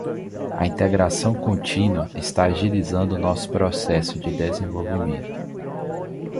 A integração contínua está agilizando nosso processo de desenvolvimento.